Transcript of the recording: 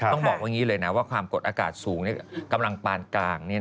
ต้องบอกว่าความกดอากาศสูงกำลังปานกลาง